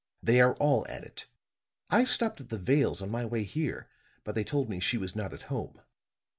They are all at it. I stopped at the Vale's on my way here, but they told me she was not at home.